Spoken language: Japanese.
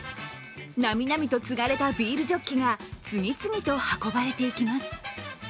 なみなみとつがれたビールジョッキが次々と運ばれていきます。